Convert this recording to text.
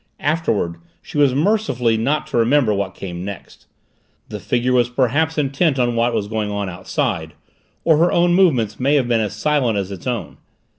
Afterward she was mercifully not to remember what came next; the figure was perhaps intent on what was going on outside, or her own movements may have been as silent as its own.